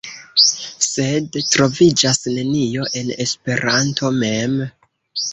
Sed troviĝas nenio en Esperanto mem.